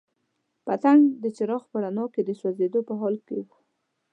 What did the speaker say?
پتنګ د څراغ په رڼا کې د سوځېدو په حال کې وو.